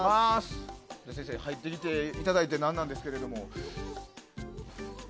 先生に入ってきていただいて何なんですけど。